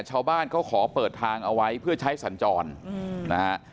ชาวบ้านเขาขอเปิดทางเอาไว้เพื่อใช้สัญจรนะฮะ